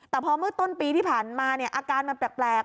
แต่พอเมื่อต้นปีที่ผ่านมาเนี่ยอาการมันแปลก